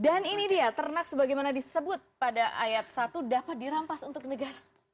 dan ini dia ternak sebagaimana disebut pada ayat satu dapat dirampas untuk negara